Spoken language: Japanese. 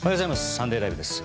「サンデーＬＩＶＥ！！」です。